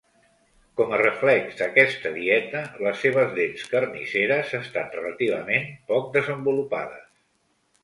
Com a reflex d'aquesta dieta, les seves dents carnisseres estan relativament poc desenvolupades.